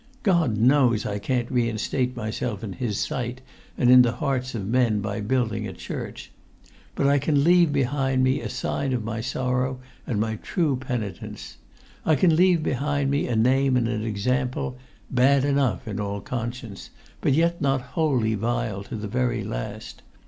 God knows I can't reinstate myself in His sight and in the hearts of men by building a church! But I can leave behind me a sign of my sorrow and my true penitence. I can leave behind me a name and an example, bad enough in all conscience, but yet not wholly vile to the very last.